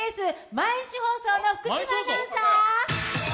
毎日放送の福島アナウンサー。